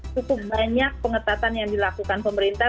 cukup banyak pengetatan yang dilakukan pemerintah